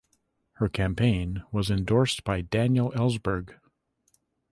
Her campaign was endorsed by Daniel Ellsberg.